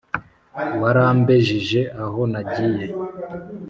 Warambejije aho nagiye